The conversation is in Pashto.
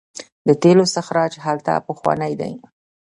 د تیلو استخراج هلته پخوانی دی.